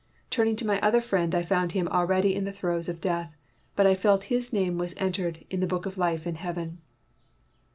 Turning to my other friend, I found him already in the throes of death, but I felt his name was en tered on the Book of Life in heaven."